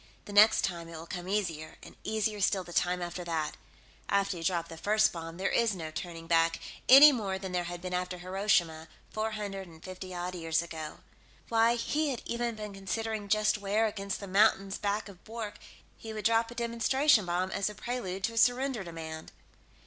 The next time, it will come easier, and easier still the time after that. After you drop the first bomb, there is no turning back, any more than there had been after Hiroshima, four hundred and fifty odd years ago. Why, he had even been considering just where, against the mountains back of Bwork, he would drop a demonstration bomb as a prelude to a surrender demand.